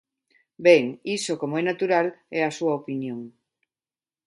Ben, iso, como é natural, é a súa opinión.